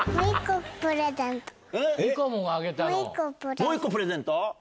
もう１個プレゼント。